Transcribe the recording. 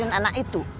mikirin anak itu